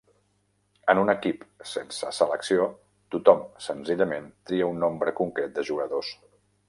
En un equip sense selecció, tothom senzillament tria un nombre concret de jugadors.